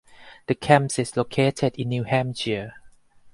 The camp is located in New Hampshire.